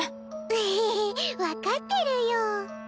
えへへっ分かってるよ。